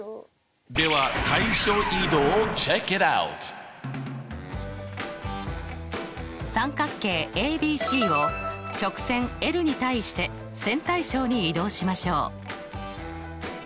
では三角形ＡＢＣを直線に対して線対称に移動しましょう。